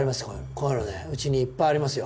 こういうのねうちにいっぱいありますよ。